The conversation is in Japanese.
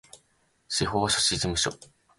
司法書士事務所